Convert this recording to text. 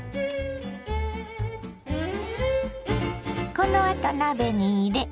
このあと鍋に入れ